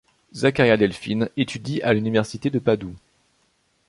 Zaccaria Delfin étudie à l'université de Padoue.